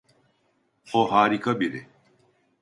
O harika biri.